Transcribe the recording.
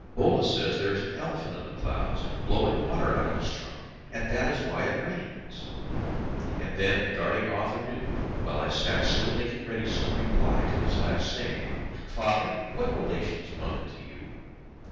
Bhola says there is an elephant in the clouds, blowing water out of his trunk, and that is why it rains!" And then, darting off anew, while I sat still making ready some reply to this last saying, "Father! what relation is Mother to you?"